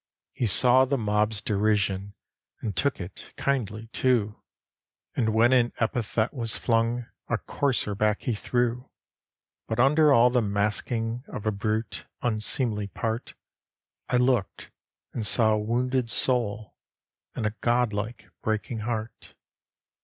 He saw the mob’s derision, And took it kindly, too, And when an epithet was flung, A coarser back he threw; But under all the masking Of a brute, unseemly part, I looked, and saw a wounded soul, And a god like, breaking heart.